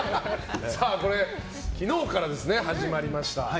これ、昨日から始まりました。